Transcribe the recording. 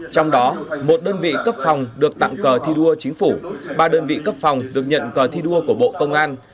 trong đó một đơn vị cấp phòng được tặng cờ thi đua chính phủ ba đơn vị cấp phòng được nhận cờ thi đua của bộ công an